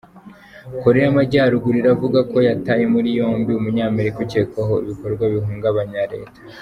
Koreya y'Amajyaruguru iravuga ko yataye mui yombi Umunyamerika ukekwaho "ibikorwa bihungabanya" leta.